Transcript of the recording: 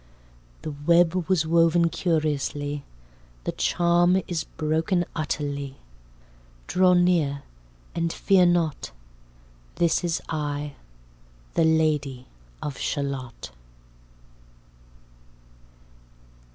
"The web was woven curiously The charm is broken utterly, Draw near and fear not – this is I, The Lady of Shalott.